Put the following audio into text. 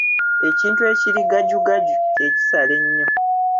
Ekintu ekiri gajugaju ky'ekisala nnyo.